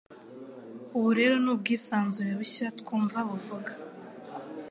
Ubu rero, nubwisanzure bushya twumva buvuga;